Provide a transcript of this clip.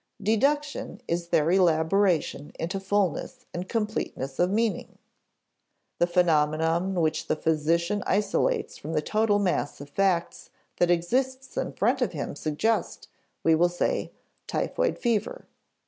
Deduction is their elaboration into fullness and completeness of meaning (see p. 76). The phenomena which the physician isolates from the total mass of facts that exist in front of him suggest, we will say, typhoid fever.